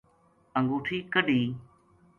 انگوٹھی کَڈھی